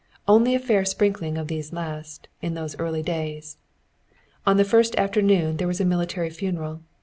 Only a fair sprinkling of these last, in those early days. On the first afternoon there was a military funeral.